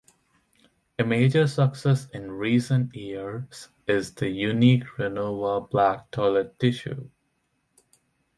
A major success in recent years is the unique Renova Black Toilet Tissue.